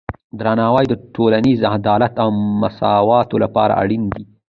درناوی د ټولنیز عدالت او مساواتو لپاره اړین دی.